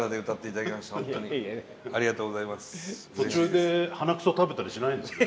途中で鼻くそ食べたりしないんですね。